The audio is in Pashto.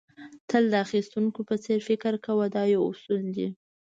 تل د اخيستونکي په څېر فکر کوه دا یو اصل دی.